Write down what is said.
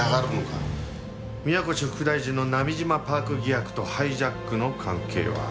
宮越副大臣の波島パーク疑惑とハイジャックの関係は？